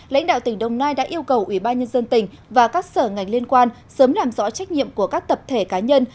lãnh đạo tỉnh đồng nai đã yêu cầu ủy ban nhân dân tỉnh và các sở ngành liên quan sớm làm rõ trách nhiệm của các tập thể cá nhân